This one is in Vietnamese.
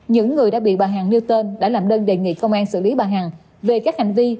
những người đã bị bà hằng nêu tên đã làm đơn đề nghị công an xử lý bà hằng về các hành vi